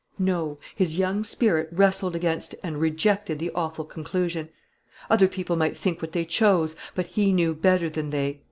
No; his young spirit wrestled against and rejected the awful conclusion. Other people might think what they chose; but he knew better than they.